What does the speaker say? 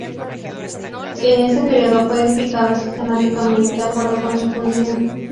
En ese período fue edificado sistemáticamente de acuerdo con su función.